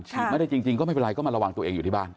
ไม่ได้จริงก็ไม่เป็นไรก็มาระวังตัวเองอยู่ที่บ้าน